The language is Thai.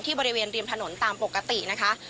บริเวณริมถนนตามปกตินะคะ